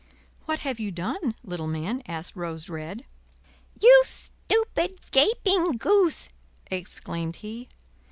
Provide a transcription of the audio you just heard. "What have you done, little man?" asked Rose Red. "You stupid, gaping goose!" exclaimed he.